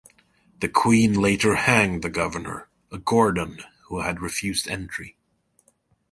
The Queen later hanged the governor, a Gordon who had refused entry.